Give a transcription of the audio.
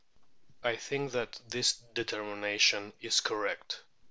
* I think that this determination is correct.